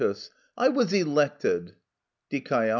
I was elected Die.